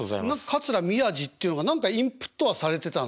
桂宮治っていうのが何かインプットはされてたの。